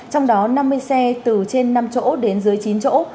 trong đó năm mươi xe từ trên năm chỗ đến dưới chín chỗ